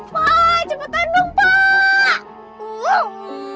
pak cepetan dong pak